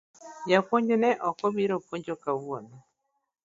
Japuonj ne ok obiro puonjo kawuono